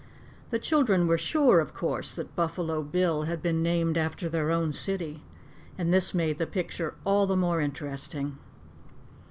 The children were sure, of course, that Buffalo Bill had been named after their own city, and this made the picture all the more interesting.